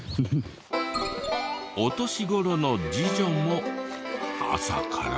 お年頃の次女も朝から。